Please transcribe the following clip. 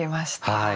はい。